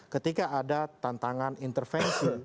ketika ada tantangan intervensi